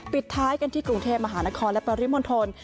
ปิดท้ายกันที่กรุงเทพมหานครและปริมณฑล